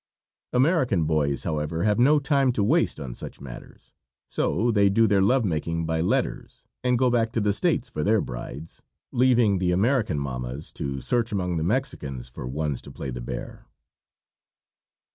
American boys, however, have no time to waste on such manners, so they do their love making by letters and go back to the States for their brides, leaving the American mammas to search among the Mexicans for ones to play the "bear."